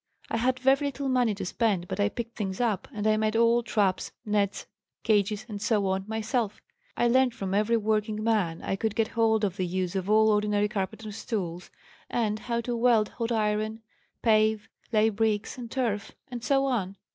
I had very little money to spend, but I picked things up and I made all traps, nets, cages, etc., myself. I learned from every working man, I could get hold of the use of all ordinary carpenters' tools, and how to weld hot iron, pave, lay bricks and turf, and so on.